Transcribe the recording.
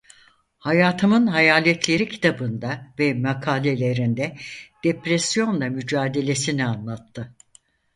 Hayatımın Hayaletleri kitabında ve makalelerinde depresyonla mücadelesini anlattı.